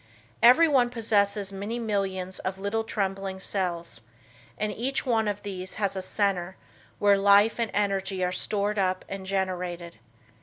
Everyone possesses many millions of little trembling cells, and each one of these has a center where life and energy are stored up and generated.